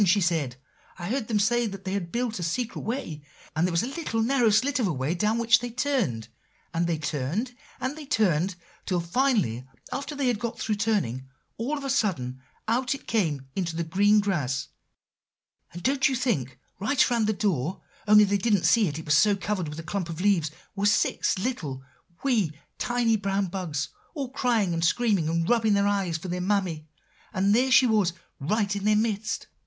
she said; 'I heard them say that they had built a secret way;' and there was a little narrow slit of a way, down which they turned; and they turned, and they turned, till finally after they had got through turning, all of a sudden out it came into the green grass; and, don't you think, right around the door, only they didn't see it, it was so covered with a clump of leaves, were six little, wee, tiny brown bugs, all crying and screaming and rubbing their eyes for their mammy, and there she was right in their midst."